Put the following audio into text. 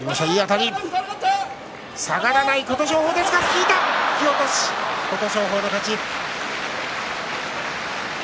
引き落とし琴勝峰の勝ち。